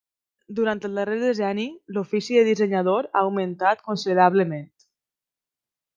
Durant el darrer decenni, l'ofici de dissenyador ha augmentat considerablement.